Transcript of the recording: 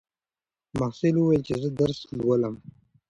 محصل وویل چې زه درس لولم.